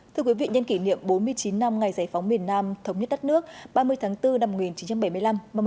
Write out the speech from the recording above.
thưa quý vị nhân kỷ niệm bốn mươi chín năm ngày giải phóng miền nam thống nhất đất nước ba mươi tháng bốn năm một nghìn chín trăm bảy mươi năm